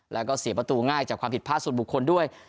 แล้วก็เสียประตูง่ายจากความผิดพลาดส่วนบุคคลด้วย